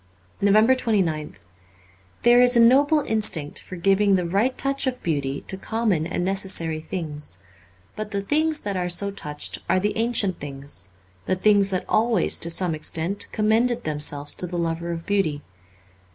368 NOVEMBER 29th THERE is a noble instinct for giving the right touch of beauty to common and necessary things, but the things that are so touched are the ancient things, the things that always, to some extent, commended themselves to the lover of beauty.